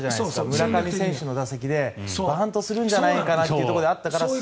村上選手の打席でバントするんじゃないかなってあったから。